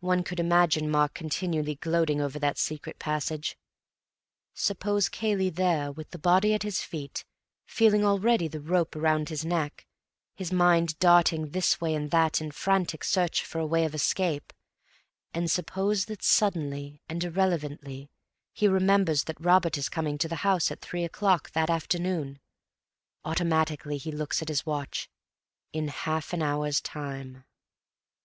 (One could imagine Mark continually gloating over that secret passage.) Suppose Cayley there, with the body at his feet, feeling already the rope round his neck; his mind darting this way and that in frantic search for a way of escape; and suppose that suddenly and irrelevantly he remembers that Robert is coming to the house at three o'clock that afternoon—automatically he looks at his watch—in half an hour's time.... In half an hour's time.